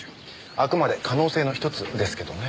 あくまで可能性の１つですけどね。